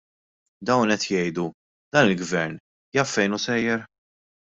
Dawn qed jgħidu: Dan il-Gvern jaf fejn hu sejjer?